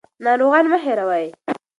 ناروغان مه هېروئ.